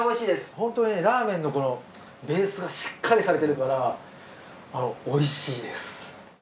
本当ねラーメンのベースがしっかりされてるからあのおいしいです。